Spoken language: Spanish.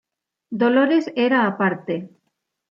Dolores era aparte.